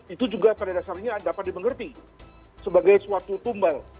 itu juga pada dasarnya dapat dimengerti sebagai suatu tumbal